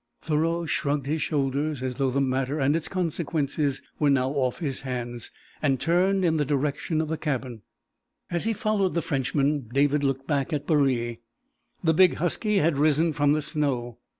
Thoreau shrugged his shoulders, as though the matter and its consequences were now off his hands, and turned in the direction of the cabin. As he followed the Frenchman, David looked back at Baree. The big husky had risen from the snow.